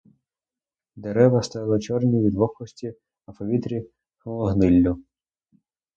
Дерева стояли чорні від вогкості, а в повітрі тхнуло гниллю.